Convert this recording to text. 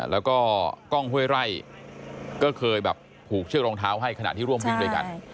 แล้วก็กล้องห้วยไร่ก็เคยแบบผูกเชือกรองเท้าให้ขณะที่ร่วมวิ่งด้วยกัน